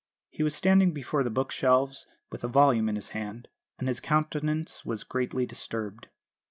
He was standing before the bookshelves with a volume in his hand, and his countenance was greatly disturbed.